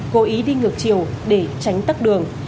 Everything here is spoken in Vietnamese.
cố ý đi ngược chiều để tránh tắt đường